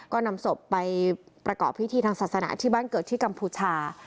ก็นำศพไปประกอบพิธีทางศาสนาที่บ้านเกิดที่กัมพูชา